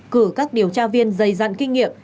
cử các điều tra viên dày dặn kinh nghiệm